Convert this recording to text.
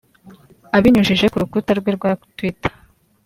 abinyujije ku rukuta rwe rwa Twitter